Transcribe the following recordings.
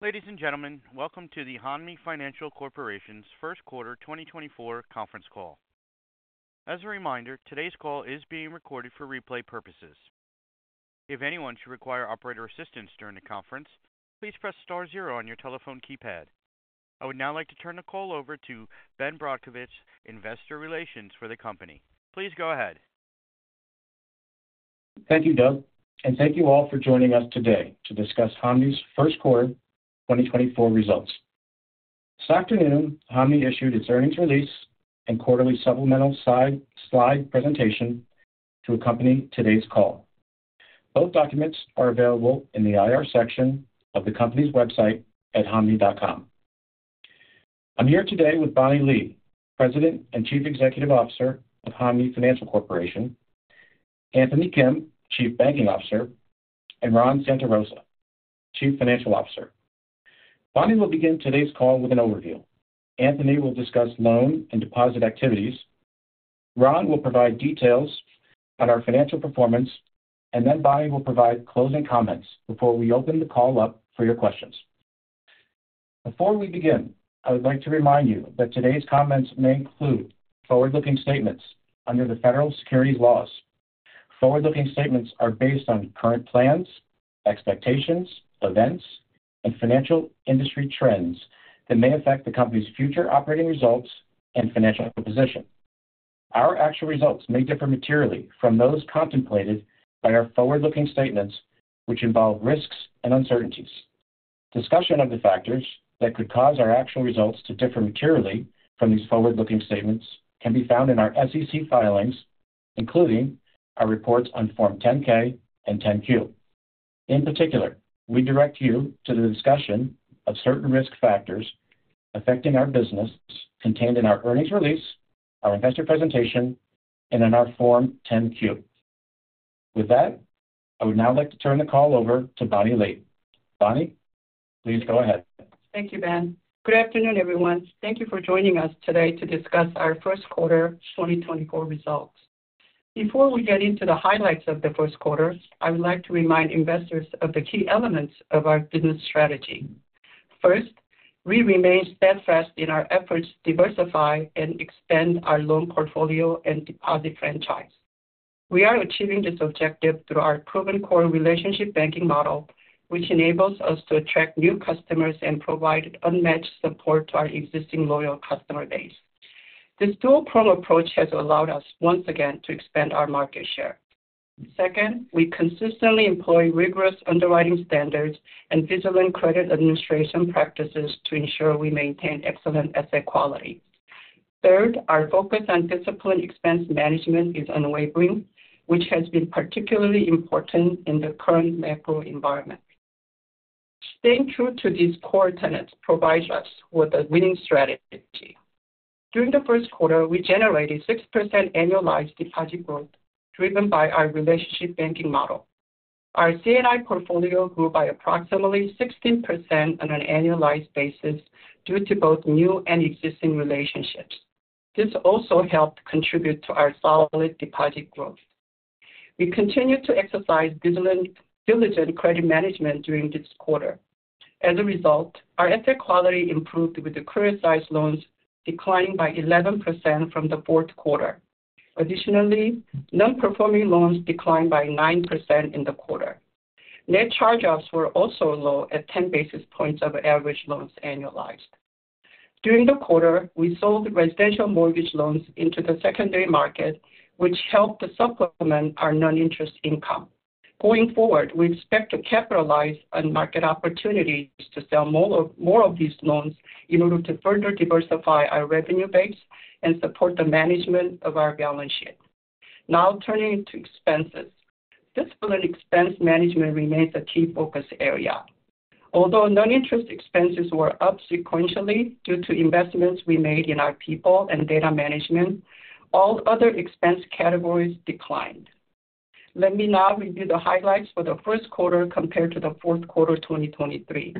Ladies and gentlemen, welcome to the Hanmi Financial Corporation's first quarter 2024 conference call. As a reminder, today's call is being recorded for replay purposes. If anyone should require operator assistance during the conference, please press star zero on your telephone keypad. I would now like to turn the call over to Ben Brodkowitz, investor relations for the company. Please go ahead. Thank you, Doug. Thank you all for joining us today to discuss Hanmi's first quarter 2024 results. This afternoon, Hanmi issued its earnings release and quarterly supplemental slide presentation to accompany today's call. Both documents are available in the IR section of the company's website at hanmi.com. I'm here today with Bonnie Lee, President and Chief Executive Officer of Hanmi Financial Corporation, Anthony Kim, Chief Banking Officer, and Ron Santarosa, Chief Financial Officer. Bonnie will begin today's call with an overview. Anthony will discuss loan and deposit activities. Ron will provide details on our financial performance. Then Bonnie will provide closing comments before we open the call up for your questions. Before we begin, I would like to remind you that today's comments may include forward-looking statements under the federal securities laws. Forward-looking statements are based on current plans, expectations, events, and financial industry trends that may affect the company's future operating results and financial position. Our actual results may differ materially from those contemplated by our forward-looking statements, which involve risks and uncertainties. Discussion of the factors that could cause our actual results to differ materially from these forward-looking statements can be found in our SEC filings, including our reports on Form 10-K and Form 10-Q. In particular, we direct you to the discussion of certain risk factors affecting our business contained in our earnings release, our investor presentation, and in our Form 10-Q. With that, I would now like to turn the call over to Bonnie Lee. Bonnie, please go ahead. Thank you, Ben. Good afternoon, everyone. Thank you for joining us today to discuss our first quarter 2024 results. Before we get into the highlights of the first quarter, I would like to remind investors of the key elements of our business strategy. First, we remain steadfast in our efforts to diversify and expand our loan portfolio and deposit franchise. We are achieving this objective through our proven core relationship banking model, which enables us to attract new customers and provide unmatched support to our existing loyal customer base. This dual-pronged approach has allowed us, once again, to expand our market share. Second, we consistently employ rigorous underwriting standards and vigilant credit administration practices to ensure we maintain excellent asset quality. Third, our focus on disciplined expense management is unwavering, which has been particularly important in the current macro environment. Staying true to these core tenets provides us with a winning strategy. During the first quarter, we generated 6% annualized deposit growth driven by our relationship banking model. Our C&I portfolio grew by approximately 16% on an annualized basis due to both new and existing relationships. This also helped contribute to our solid deposit growth. We continue to exercise vigilant diligent credit management during this quarter. As a result, our asset quality improved with the criticized loans declining by 11% from the fourth quarter. Additionally, non-performing loans declined by 9% in the quarter. Net charge-offs were also low at 10 basis points of average loans annualized. During the quarter, we sold residential mortgage loans into the secondary market, which helped to supplement our noninterest income. Going forward, we expect to capitalize on market opportunities to sell more of these loans in order to further diversify our revenue base and support the management of our balance sheet. Now turning to expenses. Disciplined expense management remains a key focus area. Although noninterest expenses were up sequentially due to investments we made in our people and data management, all other expense categories declined. Let me now review the highlights for the first quarter compared to the fourth quarter 2023.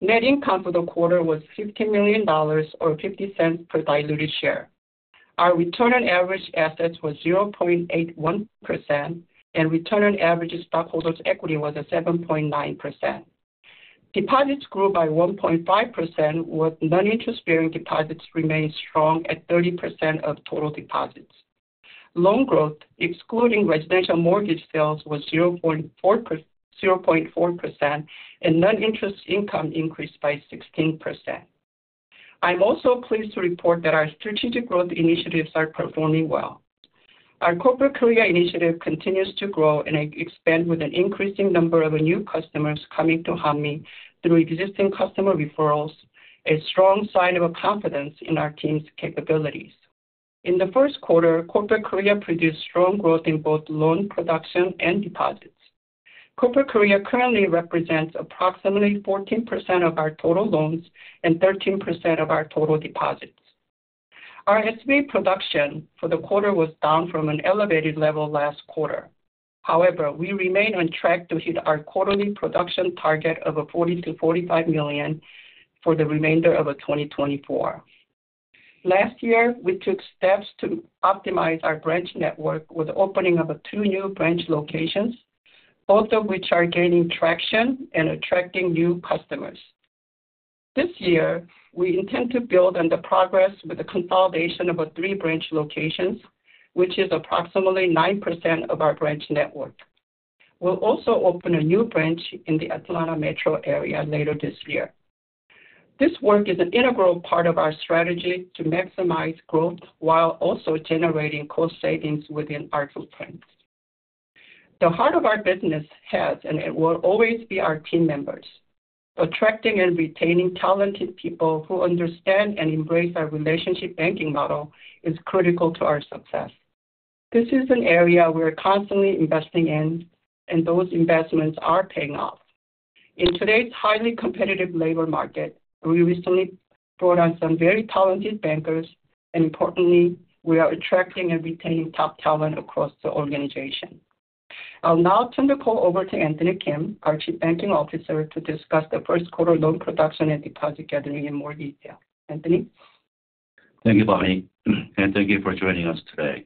Net income for the quarter was $15 million or $0.50 per diluted share. Our return on average assets was 0.81%, and return on average stockholders' equity was 7.9%. Deposits grew by 1.5%, with noninterest-bearing deposits remaining strong at 30% of total deposits. Loan growth, excluding residential mortgage sales, was 0.4%, and noninterest income increased by 16%. I'm also pleased to report that our strategic growth initiatives are performing well. Our Corporate Korea initiative continues to grow and expand with an increasing number of new customers coming to Hanmi through existing customer referrals, a strong sign of confidence in our team's capabilities. In the first quarter, Corporate Korea produced strong growth in both loan production and deposits. Corporate Korea currently represents approximately 14% of our total loans and 13% of our total deposits. Our SBA production for the quarter was down from an elevated level last quarter. However, we remain on track to hit our quarterly production target of $40 million-$45 million for the remainder of 2024. Last year, we took steps to optimize our branch network with the opening of two new branch locations, both of which are gaining traction and attracting new customers. This year, we intend to build on the progress with the consolidation of three branch locations, which is approximately 9% of our branch network. We'll also open a new branch in the Atlanta Metro area later this year. This work is an integral part of our strategy to maximize growth while also generating cost savings within our footprint. The heart of our business has, and it will always be, our team members. Attracting and retaining talented people who understand and embrace our relationship banking model is critical to our success. This is an area we're constantly investing in, and those investments are paying off. In today's highly competitive labor market, we recently brought on some very talented bankers. Importantly, we are attracting and retaining top talent across the organization. I'll now turn the call over to Anthony Kim, our Chief Banking Officer, to discuss the first quarter loan production and deposit gathering in more detail. Anthony? Thank you, Bonnie. And thank you for joining us today.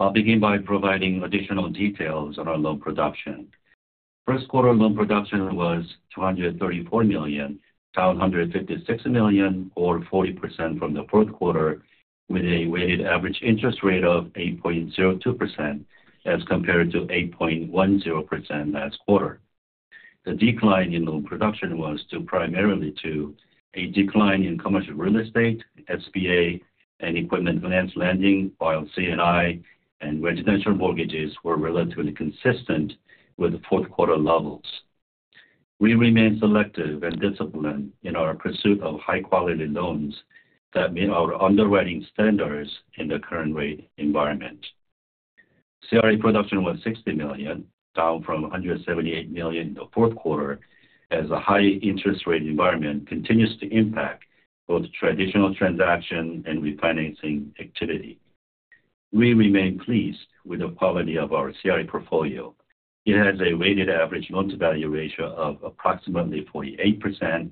I'll begin by providing additional details on our loan production. First quarter loan production was $234 million, down $156 million, or 40% from the fourth quarter, with a weighted average interest rate of 8.02% as compared to 8.10% last quarter. The decline in loan production was primarily due to a decline in commercial real estate, SBA, and equipment finance lending while C&I and residential mortgages were relatively consistent with the fourth quarter levels. We remain selective and disciplined in our pursuit of high-quality loans that meet our underwriting standards in the current rate environment. CRE production was $60 million, down from $178 million in the fourth quarter, as a high-interest rate environment continues to impact both traditional transaction and refinancing activity. We remain pleased with the quality of our CRE portfolio. It has a weighted average loan-to-value ratio of approximately 48%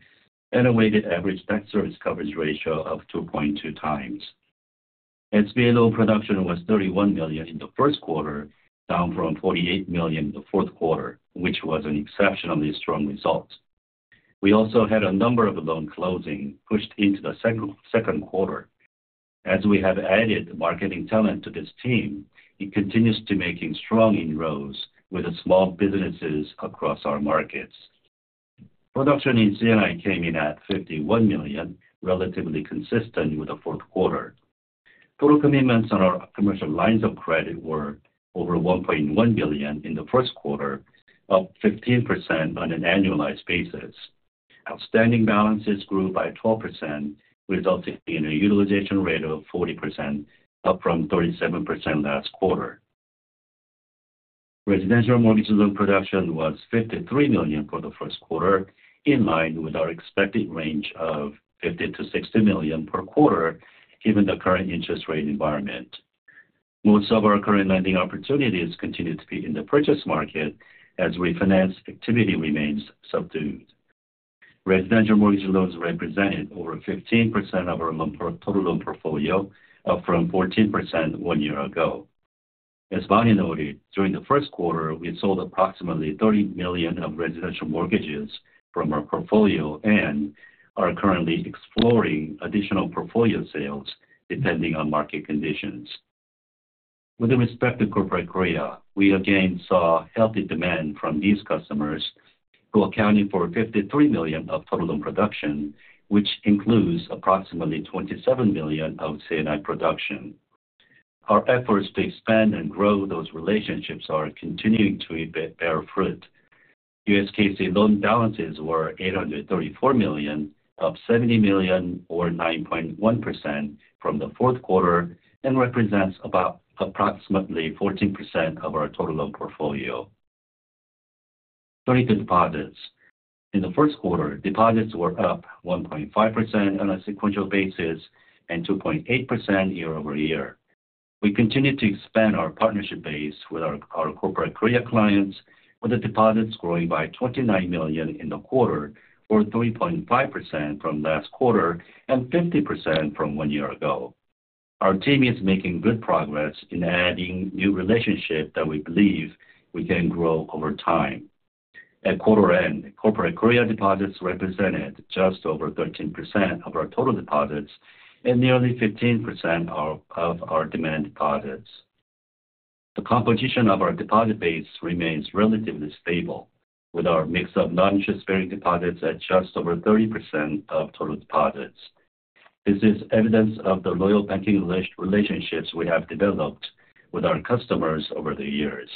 and a weighted average debt service coverage ratio of 2.2x. SBA loan production was $31 million in the first quarter, down from $48 million in the fourth quarter, which was an exceptionally strong result. We also had a number of loan closings pushed into the second quarter. As we have added marketing talent to this team, it continues to make strong inroads with small businesses across our markets. Production in C&I came in at $51 million, relatively consistent with the fourth quarter. Total commitments on our commercial lines of credit were over $1.1 million in the first quarter, up 15% on an annualized basis. Outstanding balances grew by 12%, resulting in a utilization rate of 40%, up from 37% last quarter. Residential mortgage loan production was $53 million for the first quarter, in line with our expected range of $50 million-$60 million per quarter, given the current interest rate environment. Most of our current lending opportunities continue to be in the purchase market as refinance activity remains subdued. Residential mortgage loans represented over 15% of our total loan portfolio, up from 14% one year ago. As Bonnie noted, during the first quarter, we sold approximately $30 million of residential mortgages from our portfolio and are currently exploring additional portfolio sales depending on market conditions. With respect to Corporate Korea, we again saw healthy demand from these customers, who accounted for $53 million of total loan production, which includes approximately $27 million of C&I production. Our efforts to expand and grow those relationships are continuing to bear fruit. USKC loan balances were $834 million, up $70 million or 9.1% from the fourth quarter, and represents approximately 14% of our total loan portfolio. Loans and deposits. In the first quarter, deposits were up 1.5% on a sequential basis and 2.8% year-over-year. We continue to expand our partnership base with our Corporate Korea clients, with the deposits growing by $29 million in the quarter, or 3.5% from last quarter and 50% from one year ago. Our team is making good progress in adding new relationships that we believe we can grow over time. At quarter end, Corporate Korea deposits represented just over 13% of our total deposits and nearly 15% of our demand deposits. The composition of our deposit base remains relatively stable, with our mix of non-interest bearing deposits at just over 30% of total deposits. This is evidence of the loyal banking relationships we have developed with our customers over the years.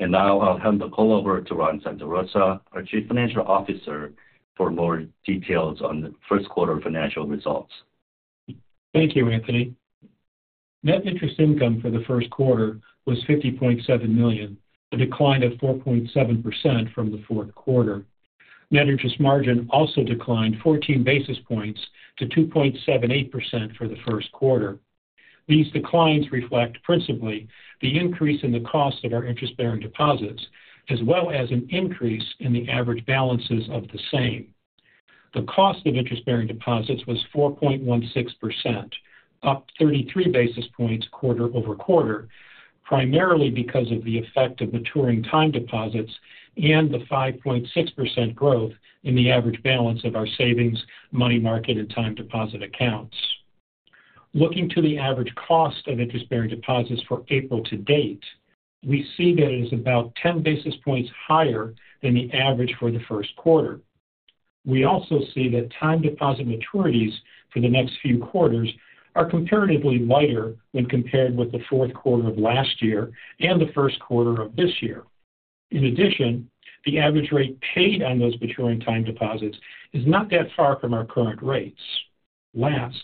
And now I'll hand the call over to Ron Santarosa, our Chief Financial Officer, for more details on the first quarter financial results. Thank you, Anthony. Net interest income for the first quarter was $50.7 million, a decline of 4.7% from the fourth quarter. Net interest margin also declined 14 basis points to 2.78% for the first quarter. These declines reflect, principally, the increase in the cost of our interest-bearing deposits, as well as an increase in the average balances of the same. The cost of interest-bearing deposits was 4.16%, up 33 basis points quarter-over-quarter, primarily because of the effect of maturing time deposits and the 5.6% growth in the average balance of our savings, money market, and time deposit accounts. Looking to the average cost of interest-bearing deposits for April to date, we see that it is about 10 basis points higher than the average for the first quarter. We also see that time deposit maturities for the next few quarters are comparatively lighter when compared with the fourth quarter of last year and the first quarter of this year. In addition, the average rate paid on those maturing time deposits is not that far from our current rates. Last,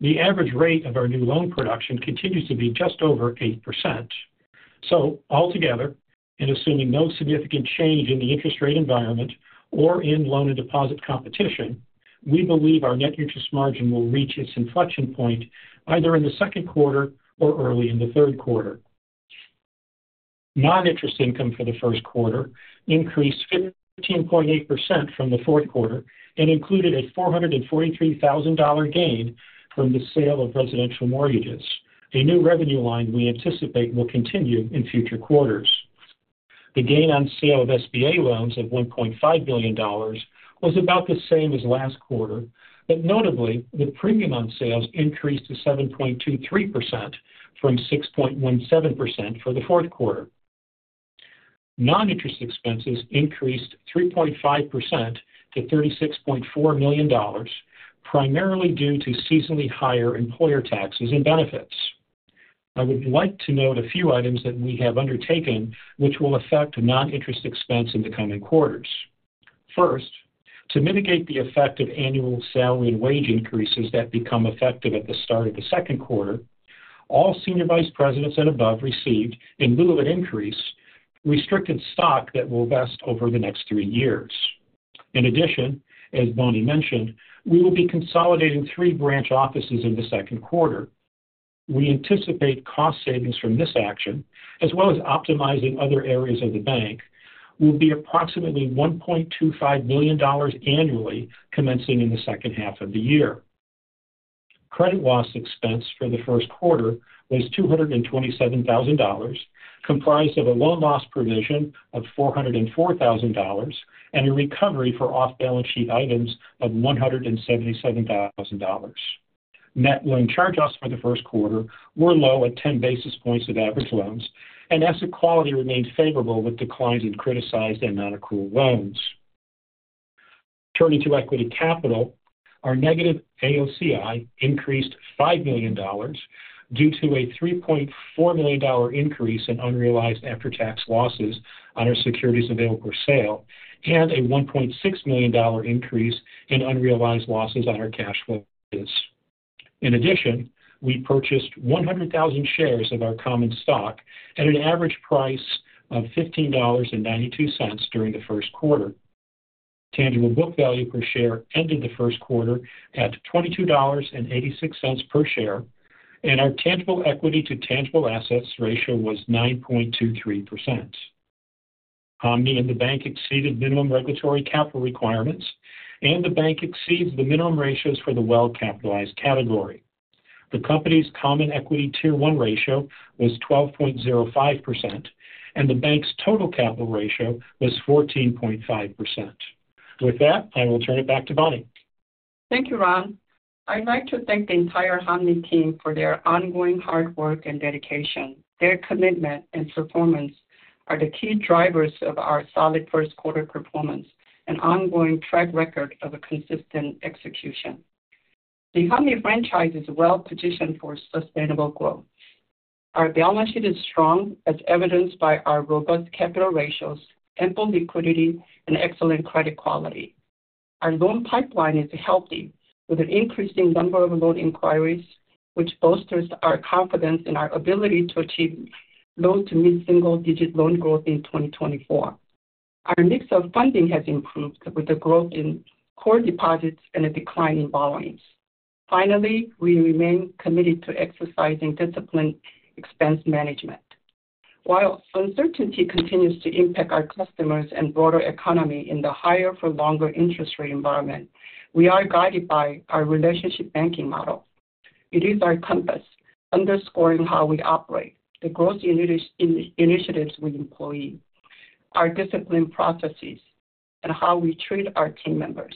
the average rate of our new loan production continues to be just over 8%. So altogether, and assuming no significant change in the interest rate environment or in loan-to-deposit competition, we believe our net interest margin will reach its inflection point either in the second quarter or early in the third quarter. Noninterest income for the first quarter increased 15.8% from the fourth quarter and included a $443,000 gain from the sale of residential mortgages, a new revenue line we anticipate will continue in future quarters. The gain on sale of SBA loans of $1.5 million was about the same as last quarter, but notably, the premium on sales increased to 7.23% from 6.17% for the fourth quarter. Noninterest expenses increased 3.5% to $36.4 million, primarily due to seasonally higher employer taxes and benefits. I would like to note a few items that we have undertaken which will affect noninterest expense in the coming quarters. First, to mitigate the effect of annual salary and wage increases that become effective at the start of the second quarter, all senior vice presidents and above received, in lieu of an increase, restricted stock th```at will vest over the next three years. In addition, as Bonnie mentioned, we will be consolidating three branch offices in the second quarter. We anticipate cost savings from this action, as well as optimizing other areas of the bank, will be approximately $1.25 million annually commencing in the second half of the year. Credit loss expense for the first quarter was $227,000, comprised of a loan loss provision of $404,000 and a recovery for off-balance sheet items of $177,000. Net loan charge-offs for the first quarter were low at 10 basis points of average loans, and asset quality remained favorable with declines in criticized and non-accrual loans. Turning to equity capital, our negative AOCI increased $5 million due to a $3.4 million increase in unrealized after-tax losses on our securities available for sale and a $1.6 million increase in unrealized losses on our cash flow hedges. In addition, we purchased 100,000 shares of our common stock at an average price of $15.92 during the first quarter. Tangible book value per share ended the first quarter at $22.86 per share, and our tangible equity-to-tangible assets ratio was 9.23%. Hanmi and the bank exceeded minimum regulatory capital requirements, and the bank exceeds the minimum ratios for the Well Capitalized category. The company's Common Equity Tier 1 ratio was 12.05%, and the bank's total capital ratio was 14.5%. With that, I will turn it back to Bonnie. Thank you, Ron. I'd like to thank the entire Hanmi team for their ongoing hard work and dedication. Their commitment and performance are the key drivers of our solid first quarter performance, an ongoing track record of consistent execution. The Hanmi franchise is well positioned for sustainable growth. Our balance sheet is strong, as evidenced by our robust capital ratios, ample liquidity, and excellent credit quality. Our loan pipeline is healthy, with an increasing number of loan inquiries, which bolsters our confidence in our ability to achieve low-to-mid single-digit loan growth in 2024. Our mix of funding has improved, with a growth in core deposits and a decline in volumes. Finally, we remain committed to exercising disciplined expense management. While uncertainty continues to impact our customers and broader economy in the higher for longer interest rate environment, we are guided by our relationship banking model. It is our compass underscoring how we operate, the growth initiatives we employ, our disciplined processes, and how we treat our team members.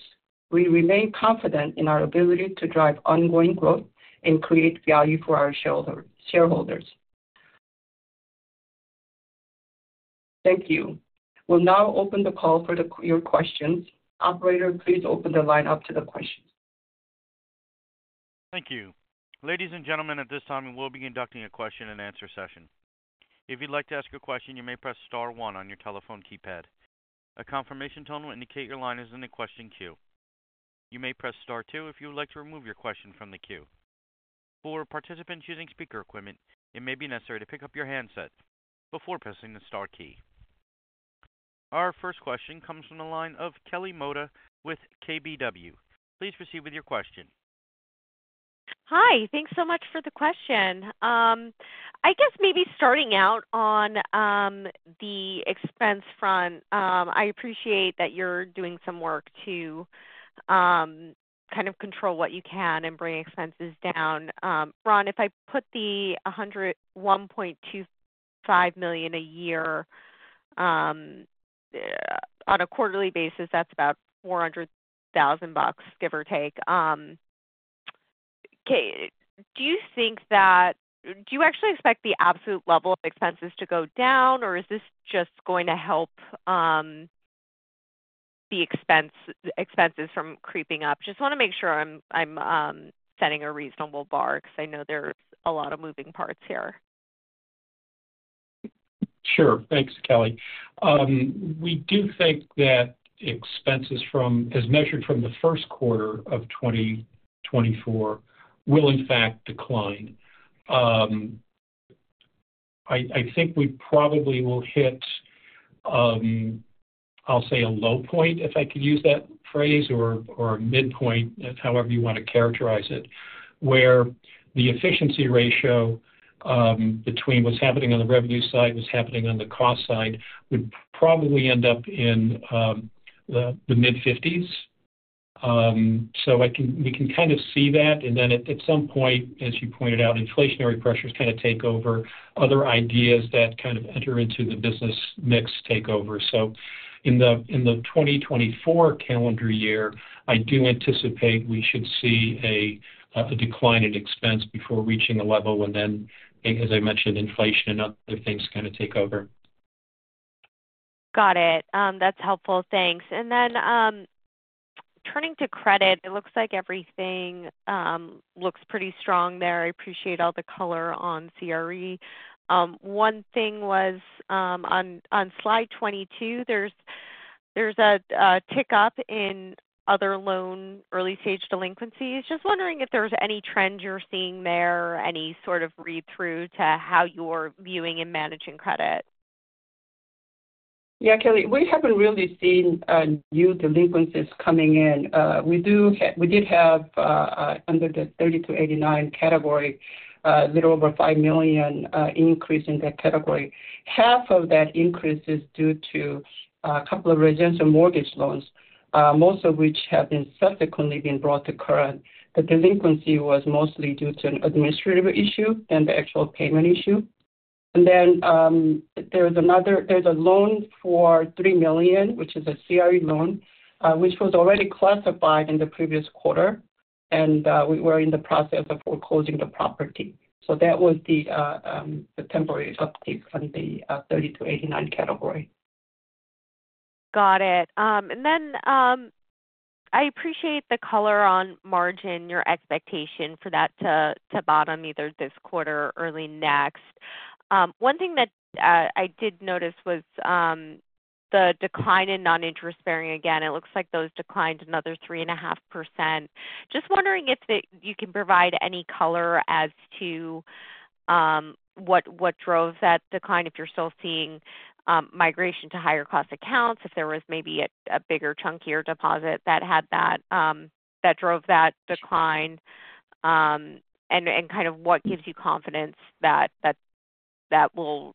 We remain confident in our ability to drive ongoing growth and create value for our shareholders. Thank you. We'll now open the call for your questions. Operator, please open the line up to the questions. Thank you. Ladies and gentlemen, at this time, we will be conducting a question-and-answer session. If you'd like to ask a question, you may press star one on your telephone keypad. A confirmation tone will indicate your line is in the question queue. You may press star two if you would like to remove your question from the queue. For participants using speaker equipment, it may be necessary to pick up your handset before pressing the star key. Our first question comes from the line of Kelly Motta with KBW. Please proceed with your question. Hi. Thanks so much for the question. I guess maybe starting out on the expense front, I appreciate that you're doing some work to kind of control what you can and bring expenses down. Ron, if I put the $1.25 million a year on a quarterly basis, that's about $400,000, give or take. Do you think that, do you actually expect the absolute level of expenses to go down, or is this just going to help the expenses from creeping up? Just want to make sure I'm setting a reasonable bar because I know there's a lot of moving parts here. Sure. Thanks, Kelly. We do think that expenses from as measured from the first quarter of 2024 will, in fact, decline. I think we probably will hit, I'll say, a low point, if I could use that phrase, or a midpoint, however you want to characterize it, where the efficiency ratio between what's happening on the revenue side and what's happening on the cost side would probably end up in the mid-50s. So we can kind of see that. And then at some point, as you pointed out, inflationary pressures kind of take over. Other ideas that kind of enter into the business mix take over. So in the 2024 calendar year, I do anticipate we should see a decline in expense before reaching a level when then, as I mentioned, inflation and other things kind of take over. Got it. That's helpful. Thanks. And then turning to credit, it looks like everything looks pretty strong there. I appreciate all the color on CRE. One thing was on slide 22, there's a tick up in other loan early-stage delinquencies. Just wondering if there's any trend you're seeing there, any sort of read-through to how you're viewing and managing credit. Yeah, Kelly. We haven't really seen new delinquencies coming in. We did have, under the 30-89 category, a little over $5 million increase in that category. Half of that increase is due to a couple of residential mortgage loans, most of which have subsequently been brought to current. The delinquency was mostly due to an administrative issue than the actual payment issue. And then there's a loan for $3 million, which is a CRE loan, which was already classified in the previous quarter, and we were in the process of foreclosing the property. So that was the temporary uptake on the 30-89 category. Got it. And then I appreciate the color on margin, your expectation for that to bottom either this quarter or early next. One thing that I did notice was the decline in noninterest bearing. Again, it looks like those declined another 3.5%. Just wondering if you can provide any color as to what drove that decline, if you're still seeing migration to higher cost accounts, if there was maybe a bigger, chunkier deposit that drove that decline, and kind of what gives you confidence that, that, will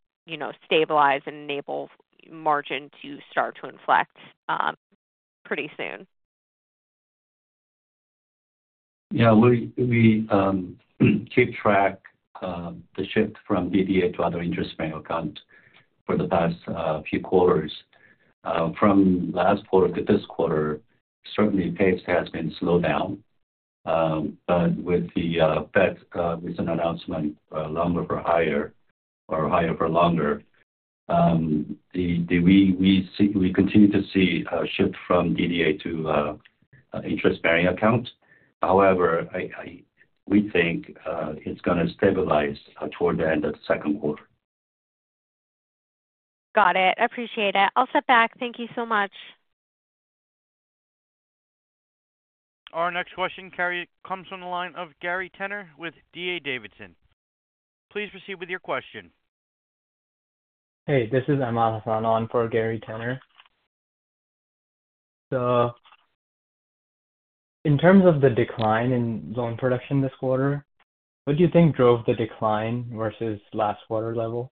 stabilize and enable margin to start to inflect pretty soon. Yeah. We keep track of the shift from DDA to other interest-bearing accounts for the past few quarters. From last quarter to this quarter, certainly, pace has been slowed down. But with the Fed's recent announcement, longer for higher or higher for longer, we continue to see a shift from DDA to interest-bearing accounts. However, we think it's going to stabilize toward the end of the second quarter. Got it. I appreciate it. I'll step back. Thank you so much. Our next question, inquiry, comes from the line of Gary Tenner with D.A. Davidson. Please proceed with your question. Hey. This is Ahmad Hasan on for Gary Tenner. So in terms of the decline in loan production this quarter, what do you think drove the decline versus last quarter level?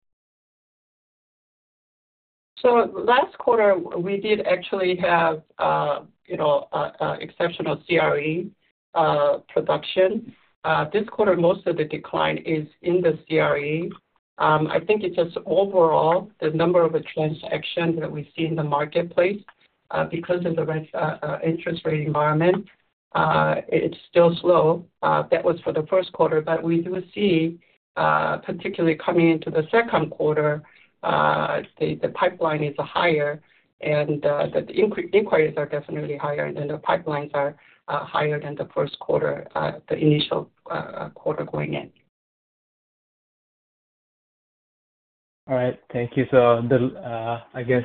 So last quarter, we did actually have exceptional CRE production. This quarter, most of the decline is in the CRE. I think it's just overall, the number of transactions that we see in the marketplace because of the interest rate environment, it's still slow. That was for the first quarter. But we do see, particularly coming into the second quarter, the pipeline is higher, and the inquiries are definitely higher, and then the pipelines are higher than the first quarter, the initial quarter going in. All right. Thank you. I guess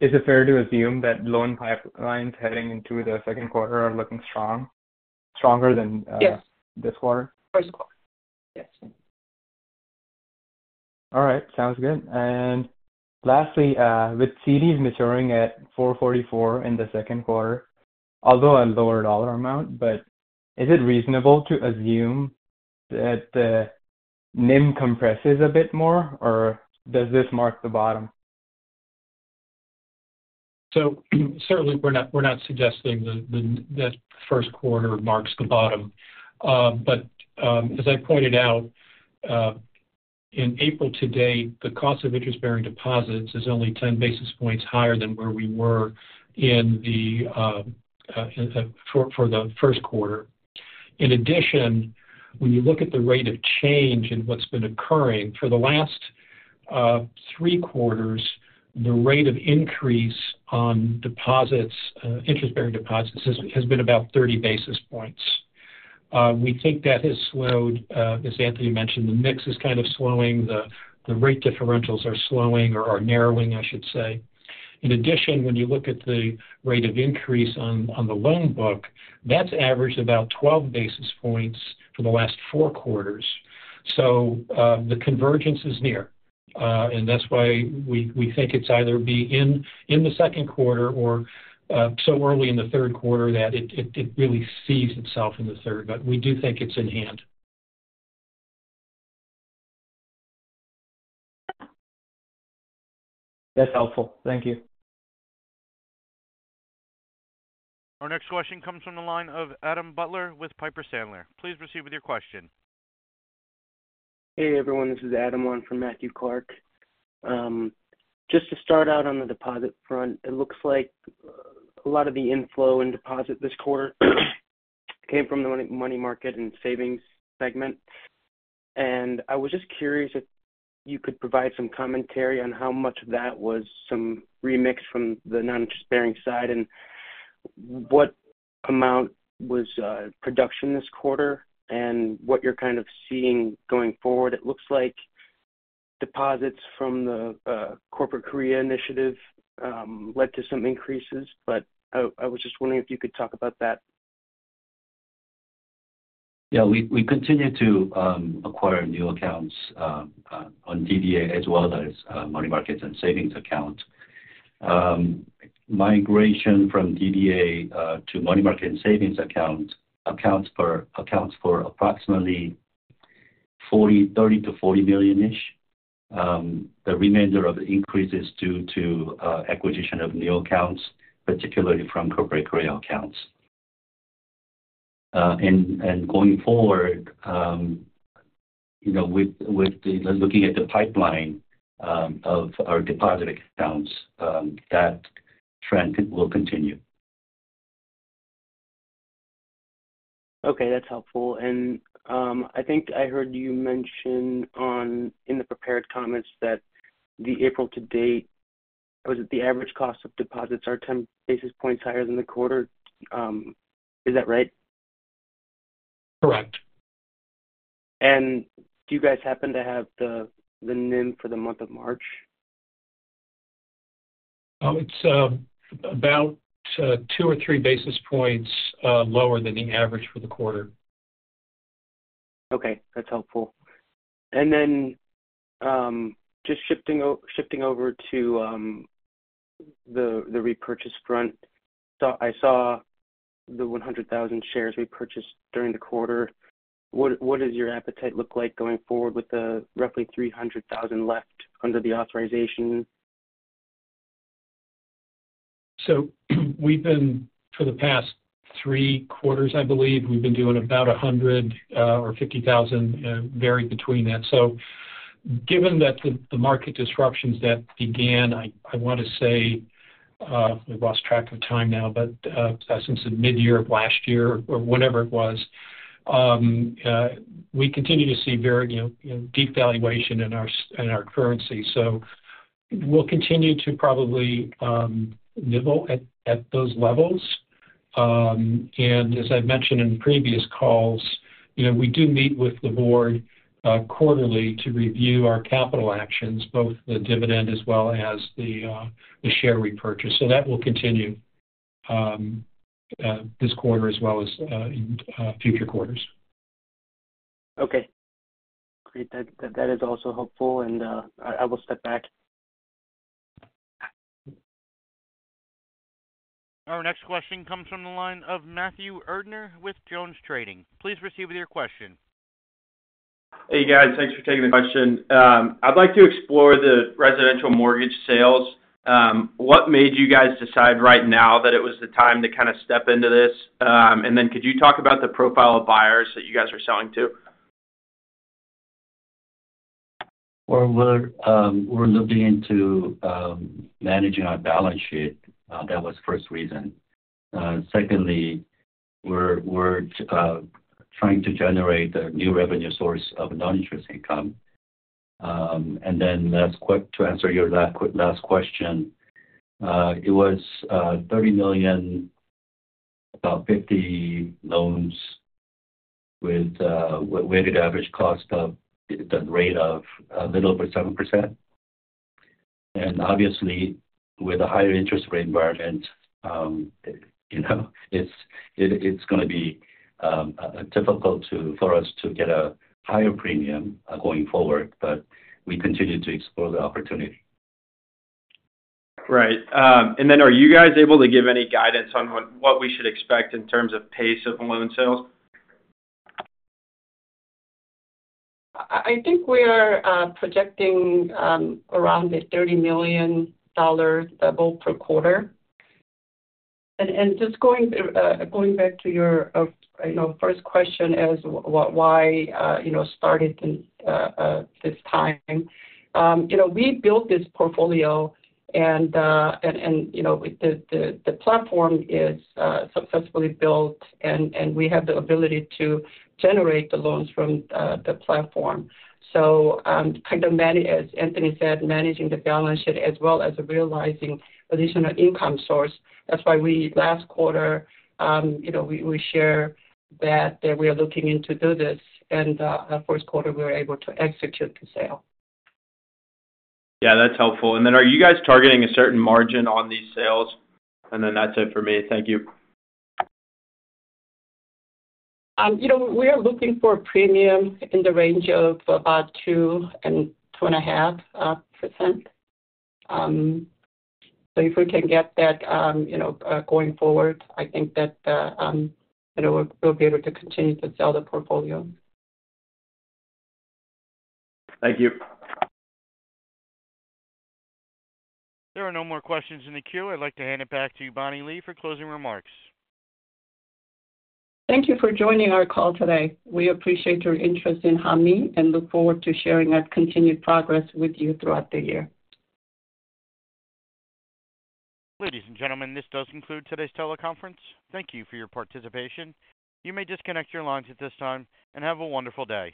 is it fair to assume that loan pipelines heading into the second quarter are looking stronger than this quarter? Yes. First quarter. Yes. All right. Sounds good. And lastly, with CDs maturing at 4.44% in the second quarter, although a lower dollar amount, but is it reasonable to assume that the NIM compresses a bit more, or does this mark the bottom? So certainly, we're not suggesting that the first quarter marks the bottom. But as I pointed out, in April to date, the cost of interest-bearing deposits is only 10 basis points higher than where we were for the first quarter. In addition, when you look at the rate of change in what's been occurring, for the last three quarters, the rate of increase on interest-bearing deposits has been about 30 basis points. We think that has slowed, as Anthony mentioned. The mix is kind of slowing. The rate differentials are slowing or narrowing, I should say. In addition, when you look at the rate of increase on the loan book, that's averaged about 12 basis points for the last four quarters. So the convergence is near. That's why we think it's either be in the second quarter or so early in the third quarter that it really sees itself in the third. But we do think it's in hand. That's helpful. Thank you. Our next question comes from the line of Adam Butler with Piper Sandler. Please proceed with your question. Hey, everyone. This is Adam on for Matthew Clark. Just to start out on the deposit front, it looks like a lot of the inflow and deposit this quarter came from the money market and savings segment. I was just curious if you could provide some commentary on how much of that was some remix from the noninterest-bearing side, and what amount was production this quarter, and what you're kind of seeing going forward. It looks like deposits from the Corporate Korea initiative led to some increases, but I was just wondering if you could talk about that. Yeah. We continue to acquire new accounts on DDA as well as money markets and savings accounts. Migration from DDA to money market and savings accounts accounts for approximately $30 million-$40 million-ish. The remainder of the increase is due to acquisition of new accounts, particularly from Corporate Korea accounts. And going forward, with looking at the pipeline of our deposit accounts, that trend will continue. Okay. That's helpful. I think I heard you mention in the prepared comments that the April to date was it the average cost of deposits are 10 basis points higher than the quarter? Is that right? Correct. Do you guys happen to have the NIM for the month of March? Oh, it's about 2 or 3 basis points lower than the average for the quarter. Okay. That's helpful. And then just shifting over to the repurchase front, I saw the 100,000 shares repurchased during the quarter. What does your appetite look like going forward with the roughly 300,000 left under the authorization? So we've been for the past three quarters, I believe, we've been doing about 100 or 50,000, varying between that. So given that the market disruptions that began, I want to say we've lost track of time now, but since the midyear of last year or whenever it was, we continue to see very deep valuation in our currency. So we'll continue to probably nibble at those levels. And as I've mentioned in previous calls, we do meet with the board quarterly to review our capital actions, both the dividend as well as the share repurchase. So that will continue this quarter as well as in future quarters. Okay. Great. That is also helpful, and I will step back. Our next question comes from the line of Matthew Erdner with JonesTrading. Please proceed with your question. Hey, guys. Thanks for taking the question. I'd like to explore the residential mortgage sales. What made you guys decide right now that it was the time to kind of step into this? And then could you talk about the profile of buyers that you guys are selling to? Well, we're looking into managing our balance sheet. That was the first reason. Secondly, we're trying to generate a new revenue source of noninterest income. And then to answer your last question, it was $30 million, about 50 loans with weighted average cost of the rate of a little over 7%. And obviously, with a higher interest rate environment, it's going to be difficult for us to get a higher premium going forward, but we continue to explore the opportunity. Right. And then are you guys able to give any guidance on what we should expect in terms of pace of loan sales? I think we are projecting around the $30 million level per quarter. Just going back to your first question as to why we started this time, we built this portfolio, and the platform is successfully built, and we have the ability to generate the loans from the platform. So kind of, as Anthony said, managing the balance sheet as well as realizing additional income source, that's why last quarter, we shared that we are looking into doing this. First quarter, we were able to execute the sale. Yeah. That's helpful. And then are you guys targeting a certain margin on these sales? And then that's it for me. Thank you. We are looking for a premium in the range of about 2%-2.5%. So if we can get that going forward, I think that we'll be able to continue to sell the portfolio. Thank you. There are no more questions in the queue. I'd like to hand it back to Bonnie Lee for closing remarks. Thank you for joining our call today. We appreciate your interest in Hanmi and look forward to sharing our continued progress with you throughout the year. Ladies and gentlemen, this does conclude today's teleconference. Thank you for your participation. You may disconnect your lines at this time and have a wonderful day.